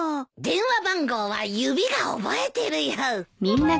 電話番号は指が覚えてるよ。